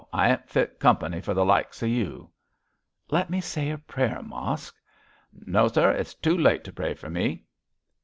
I ain't fit company for the likes of you.' 'Let me say a prayer, Mosk?' 'No, sir; it's too late to pray for me.'